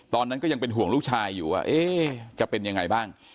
ตอนนั้นก็ยังเป็นห่วงลูกชายอยู่ว่าจะเป็นยังไงบ้าง